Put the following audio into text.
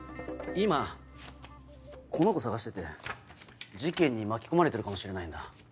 今この子捜してて事件に巻き込まれてるかもしれないんだ。